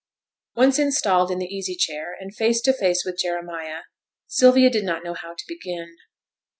Once installed in the easy chair, and face to face with Jeremiah, Sylvia did not know how to begin.